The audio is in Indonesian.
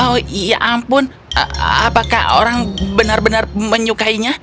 oh ya ampun apakah orang benar benar menyukainya